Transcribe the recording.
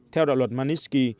theo đạo luật manisky